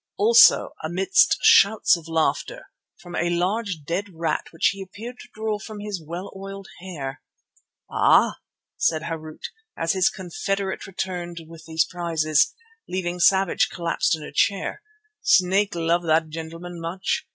Also, amidst shouts of laughter, from a large dead rat which he appeared to draw from his well oiled hair. "Ah!" said Harût, as his confederate returned with these prizes, leaving Savage collapsed in a chair, "snake love that gentleman much.